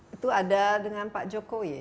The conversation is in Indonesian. itu ada dengan pak joko ya